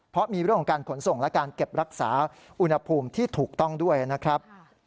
เพราะมีเรื่องของการขนส่งและการเก็บรักษาอุณหภูมิที่ถูกต้องด้วยนะครับ